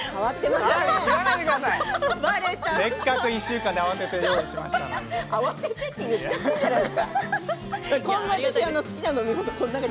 せっかく１週間で慌てて用意したのに。